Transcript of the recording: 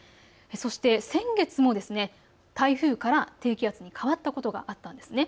そして先月も台風から低気圧に変わったことがあったんです。